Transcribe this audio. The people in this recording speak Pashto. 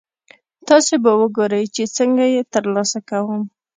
تاسې به ګورئ چې څنګه یې ترلاسه کوم.